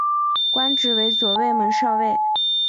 官职为左卫门少尉。